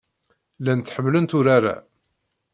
Llant ḥemmlent urar-a.